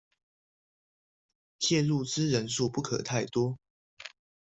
介入之人數不可太多